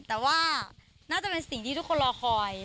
แต่ว่าน่าจะเป็นสิ่งที่ทุกคนรอคอย